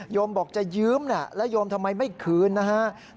มบอกจะยืมแล้วโยมทำไมไม่คืนนะครับ